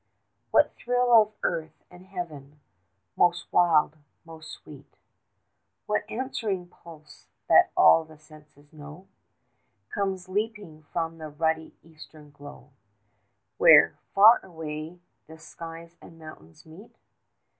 What thrill of earth and heaven most wild, most sweet 5 What answering pulse that all the senses know, Comes leaping from the ruddy eastern glow Where, far away, the skies and mountains meet?